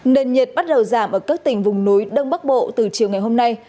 nền nhiệt bắt đầu giảm ở các tỉnh vùng núi đông bắc bộ từ chiều ngày hôm nay